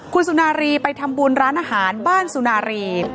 คุณสุนารีไปทำบุญร้านอาหารบ้านสุนารี